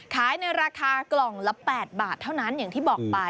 ขายในราคากล่องละ๘บาทเท่านั้นอย่างที่บอกไป